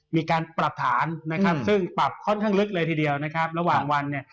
มีการปรับฐานซึ่งปรับค่อนข้างลึกเลยทีเดียวระหว่างวัน